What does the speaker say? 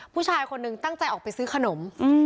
ผู้ชายคนหนึ่งตั้งใจออกไปซื้อขนม